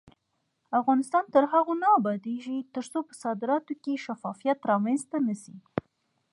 افغانستان تر هغو نه ابادیږي، ترڅو په صادراتو کې شفافیت رامنځته نشي.